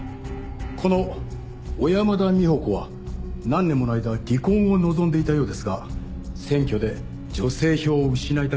この小山田美穂子は何年もの間離婚を望んでいたようですが選挙で女性票を失いたくない